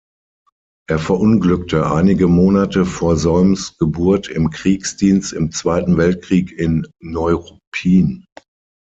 Er verunglückte einige Monate vor Solms’ Geburt im Kriegsdienst im Zweiten Weltkrieg in Neuruppin.